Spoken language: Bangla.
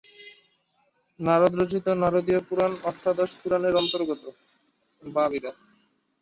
নারদ রচিত নারদীয় পুরাণ অষ্টাদশ পুরাণের অন্তর্গত।